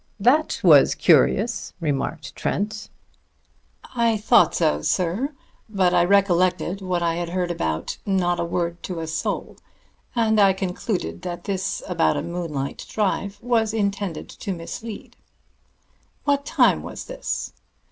"That was curious," remarked Trent. "I thought so, sir. But I recollected what I had heard about 'not a word to a soul,' and I concluded that this about a moonlight drive was intended to mislead." "What time was this?"